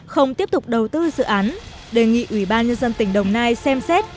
không tiếp tục đầu tư dự án đề nghị ủy ban nhân dân tỉnh đồng nai xem xét